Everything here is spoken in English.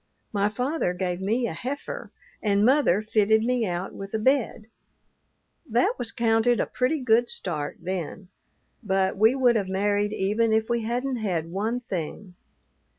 My father gave me a heifer, and mother fitted me out with a bed. That was counted a pretty good start then, but we would have married even if we hadn't had one thing.